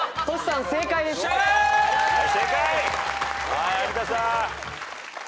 はい有田さん。